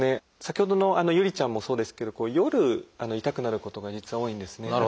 先ほどの侑里ちゃんもそうですけど夜痛くなることが実は多いんですね。